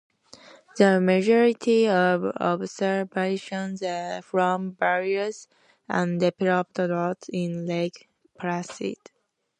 The majority of observations are from various undeveloped lots in Lake Placid.